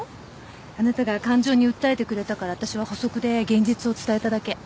あなたが感情に訴えてくれたから私は補足で現実を伝えただけ。